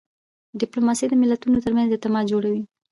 ډیپلوماسي د ملتونو ترمنځ اعتماد جوړوي.